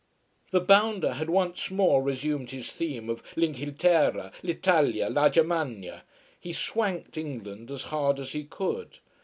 The bounder had once more resumed his theme of l'Inghilterra, l'Italia, la Germania. He swanked England as hard as he could.